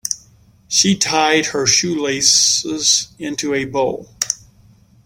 She tied her shoelaces into a bow.